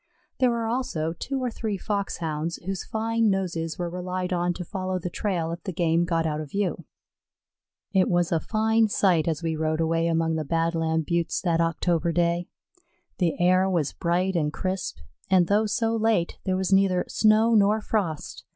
There were also two or three Foxhounds, whose fine noses were relied on to follow the trail if the game got out of view. It was a fine sight as we rode away among the Badland Buttes that October day. The air was bright and crisp, and though so late, there was neither snow nor frost.